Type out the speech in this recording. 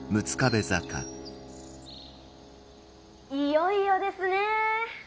いよいよですねー！